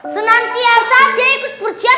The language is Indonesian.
senantiasa dia ikut berjalan